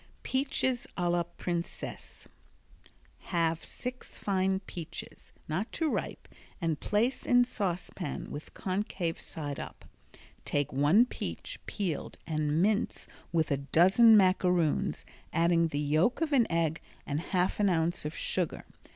Peaches a la Princesse Halve six fine peaches, not too ripe, and place in saucepan with concave side up. Take one peach, peeled, and mince with a dozen macaroons, adding the yolk of an egg and half an ounce of sugar.